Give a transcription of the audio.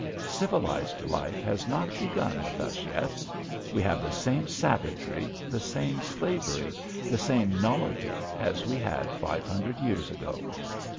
Civilised life has not begun with us yet. We have the same savagery, the same slavery, the same nullity as we had five hundred years ago.